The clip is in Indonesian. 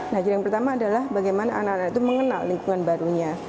nah jadi yang pertama adalah bagaimana anak anak itu mengenal lingkungan barunya